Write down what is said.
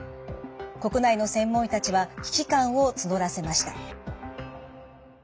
国内の専門医たちは危機感を募らせました。